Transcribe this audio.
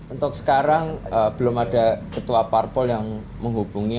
untuk sekarang belum ada ketua parpol yang menghubungi